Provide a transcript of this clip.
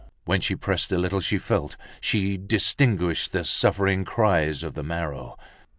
When she pressed a little she felt she distinguished the suffering cries of the marrow.